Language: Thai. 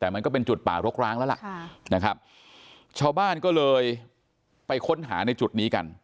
แต่มันก็เป็นจุดป่ารกร้างแล้วล่ะนะครับชาวบ้านก็เลยไปค้นหาในจุดนี้กัน